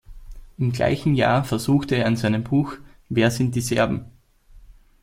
Im gleichen Jahr versuchte er in seinem Buch "Wer sind die Serben?